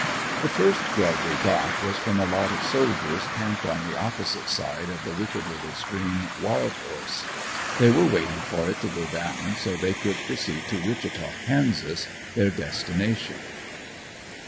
The first grub we got was from a lot of soldiers camped on the opposite side of the wicked little stream "Wild Horse." They were waiting for it to go down so they could proceed to Wichita, Kansas, their destination.